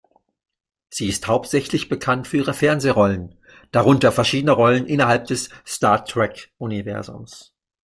Sie ist hauptsächlich bekannt für ihre Fernsehrollen, darunter verschiedene Rollen innerhalb des Star-Trek-Universums.